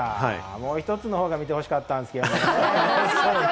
もう１つの方が見て欲しかったんですけれどもね。